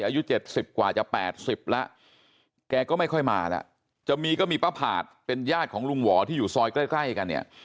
อายุ๗๐กว่าจะ๘๐แล้วแกก็ไม่ค่อยมาแล้วจะมีก็มีป้าผาดเป็นญาติของลุงหวอที่อยู่ซอยใกล้กันเนี่ย